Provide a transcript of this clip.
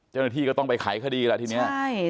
เจ้าหน้าที่ก็ต้องไปไขคดีล่ะทีนี้